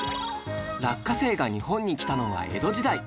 落花生が日本に来たのは江戸時代